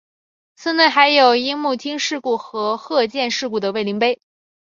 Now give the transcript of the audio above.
寺内还有樱木町事故和鹤见事故的慰灵碑。